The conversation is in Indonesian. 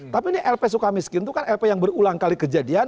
tapi ini lp suka miskin itu kan lp yang berulang kali kejadian